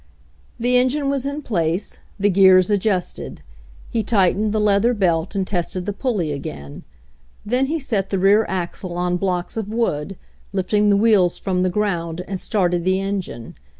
The engine was in place, the gears adjusted. He tightened the leather belt and tested the pul ley again. Then he set the rear axle on blocks of wood, lifting the wheels from the ground and started the engine.